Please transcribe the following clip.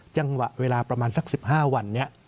จังหวะเวลาประมาณสัก๑๕วันนี้